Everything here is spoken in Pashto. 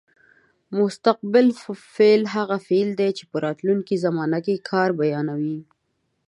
مستقبل فعل هغه فعل دی چې په راتلونکې زمانه کې کار بیانوي.